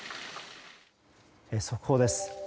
速報です。